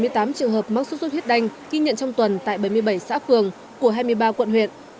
một trăm bảy mươi tám trường hợp mắc suất huyết đanh ghi nhận trong tuần tại bảy mươi bảy xã phường của hai mươi ba quận huyện